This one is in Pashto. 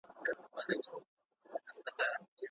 د جرم ځای ته ورشئ.